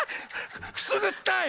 くすぐったい！